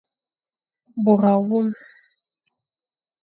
Bôr awôm.